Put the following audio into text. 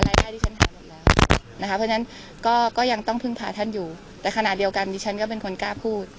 รายได้ดิฉันขายหมดแล้วนะคะเพราะฉะนั้นก็ยังต้องพึ่งพาท่านอยู่แต่ขณะเดียวกันดิฉันก็เป็นคนกล้าพูด